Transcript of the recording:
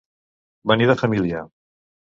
Venir de família.